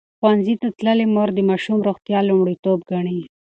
ښوونځې تللې مور د ماشوم روغتیا لومړیتوب ګڼي.